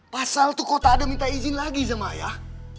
pasal itu kok tak ada minta izin lagi sama ayah